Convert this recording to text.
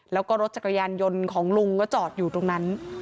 แล้วก็รถจักรยานยนต์ของลุงก็จอดอยู่ตรงนั้น